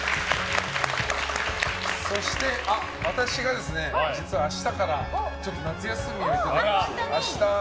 そして、私が実は明日から夏休みをいただきます。